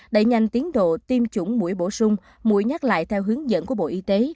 đẩy nhanh tiến độ tiêm chủng mũi bổ sung mũi nhắc lại theo hướng dẫn của bộ y tế